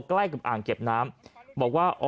ใกล้กับอ่างเก็บน้ำบอกว่า